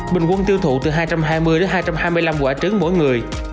bình quân tiêu thụ từ hai trăm hai mươi đến hai trăm hai mươi năm quả trứng mỗi người